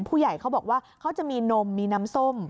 เขาบอกว่าเขาจะมีนมมีน้ำส้ม